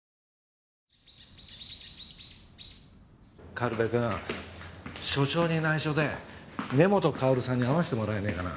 軽部くん署長にないしょで根本かおるさんに会わせてもらえないかな。